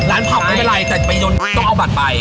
ผับไม่เป็นไรแต่ไปยนต์ต้องเอาบัตรไป